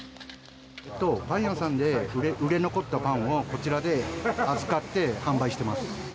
パン屋さんで売れ残ったパンを、こちらで預かって販売してます。